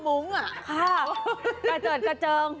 ซึ่งกระเจิญกระเจ้ง